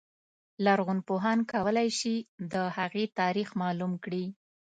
لرغونپوهان کولای شي د هغې تاریخ معلوم کړي.